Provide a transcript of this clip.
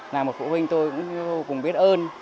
là một phụ huynh tôi cũng vô cùng biết ơn